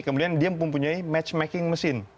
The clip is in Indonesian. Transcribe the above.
kemudian dia mempunyai matchmaking mesin